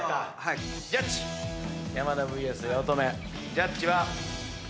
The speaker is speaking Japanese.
ジャッジは。